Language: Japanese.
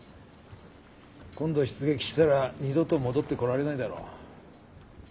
今度出撃したら二度と戻ってこられないだろう。